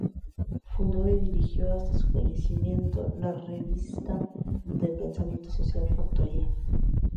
Fundó y dirigió hasta su fallecimiento la revista de pensamiento social, "La Factoría".